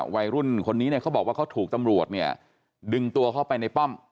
วัยรุ่นคนนี้เนี่ยเขาบอกว่าเขาถูกตำรวจเนี่ยดึงตัวเข้าไปในป้อม